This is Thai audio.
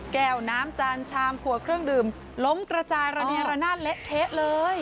แก้วน้ำจานชามขวดเครื่องดื่มล้มกระจายระเนระนาดเละเทะเลย